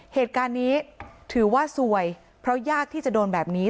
เหตุการณ์นี้ถือว่าสวยเพราะยากที่จะโดนแบบนี้